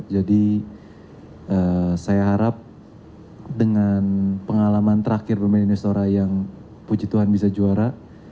jadi saya harap dengan pengalaman terakhir pemain indonesia open yang puji tuhan bisa juara